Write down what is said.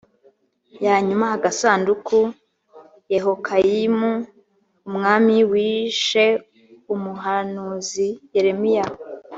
ya nyuma agasanduku yehoyakimu umwami wishe umuhanuzi yeremiya